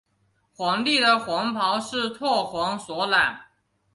皇帝的黄袍用柘黄所染。